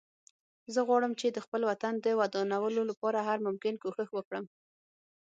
زه غواړم چې د خپل وطن د ودانولو لپاره هر ممکن کوښښ وکړم